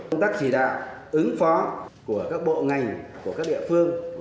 công tác chỉ đạo ứng phó của các bộ ngành của các địa phương